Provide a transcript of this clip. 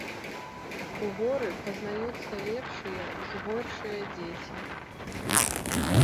У горы пазнаюцца лепшыя й горшыя дзеці.